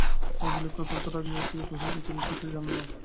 রাজলক্ষ্মী অত্যন্ত রাগিয়া উঠিয়া কহিলেন, তুমি কিছুই জান না!